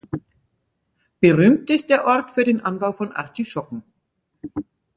Berühmt ist der Ort für den Anbau von Artischocken.